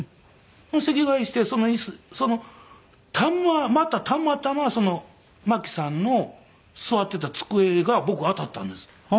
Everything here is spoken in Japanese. うん。席替えしてその椅子。またたまたまマキさんの座ってた机が僕当たったんです。